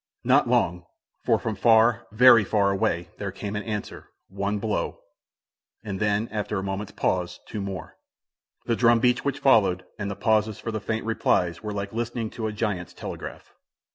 Not long; for from far, very far away, there came an answer, one blow, and then, after a moment's pause, two more. The drum beats which followed, and the pauses for the faint replies, were like listening to a giant's telegraph.